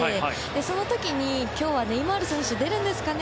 その時に今日はネイマール選手は出るんですかね？